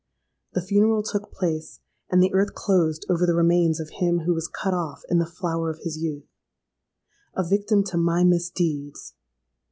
The funeral took place;—and the earth closed over the remains of him who was cut off in the flower of his youth—a victim to my misdeeds!